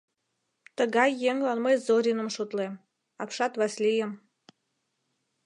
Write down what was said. Тыгай еҥлан мый Зориным шотлем, апшат Васлийым.